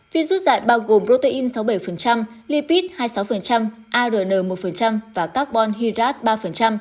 virus dạy bao gồm protein sáu bảy lipid hai mươi sáu arn một và carbon hydrate ba